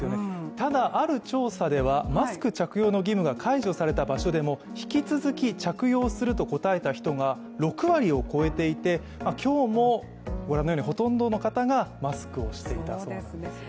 ただ、ある調査ではマスク着用の義務が解除された場所でも引き続き着用すると答えた人が６割を超えていて今日もご覧のようにほとんどの方がマスクをしていたそうなんですよね。